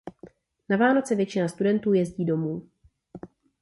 Na Vánoce většina studentů jezdí domů.